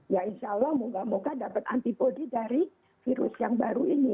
ya insya allah moga moga dapat antibody dari virus yang baru ini